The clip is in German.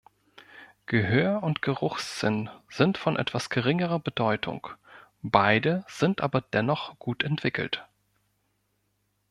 Gehör- und Geruchssinn sind von etwas geringerer Bedeutung, beide sind aber dennoch gut entwickelt.